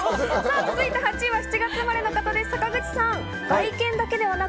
続いて８位は７月生まれの方、坂口さん。